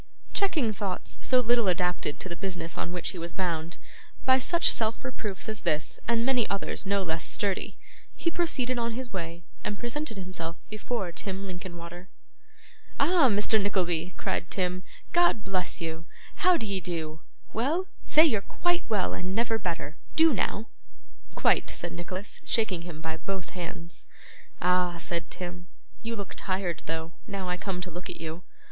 Checking thoughts so little adapted to the business on which he was bound, by such self reproofs as this and many others no less sturdy, he proceeded on his way and presented himself before Tim Linkinwater. 'Ah! Mr. Nickleby!' cried Tim, 'God bless you! how d'ye do? Well? Say you're quite well and never better. Do now.' 'Quite,' said Nicholas, shaking him by both hands. 'Ah!' said Tim, 'you look tired though, now I come to look at you.